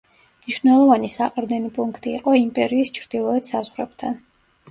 მნიშვნელოვანი საყრდენი პუნქტი იყო იმპერიის ჩრდილოეთ საზღვრებთან.